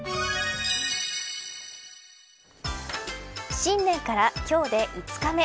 新年から今日で５日目。